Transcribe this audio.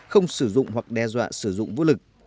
không sử dụng hoặc đe dọa sử dụng vũ lực